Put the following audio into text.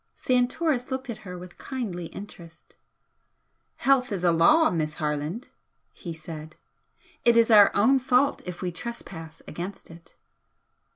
Santoris looked at her with kindly interest. "Health is a law, Miss Harland" he said "It is our own fault if we trespass against it."